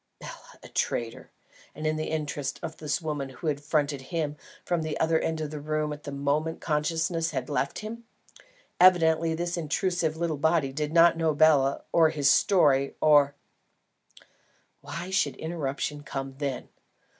Bela a traitor, and in the interests of the woman who had fronted him from the other end of the room at the moment consciousness had left him! Evidently this intrusive little body did not know Bela or his story, or Why should interruption come then?